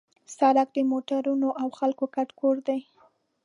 سړک د موټرونو او خلکو ګډ کور دی.